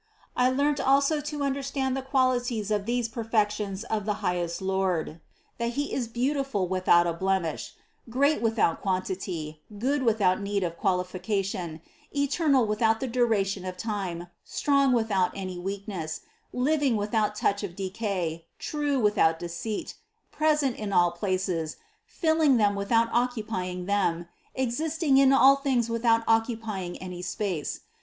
29. I learnt also to understand the quality of these per fections of the highest Lord : that He is beautiful with out a blemish, great without quantity, good without need of qualification, eternal without the duration of time, strong without any weakness, living without touch of decay, true without deceit, present in all places, filling them without occupying them, existing in all things with out occupying any space.